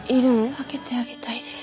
分けてあげたいです